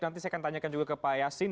nanti saya akan tanyakan juga ke pak yasin